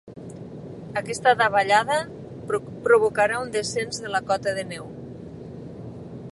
Aquesta davallada provocarà un descens de la cota de neu.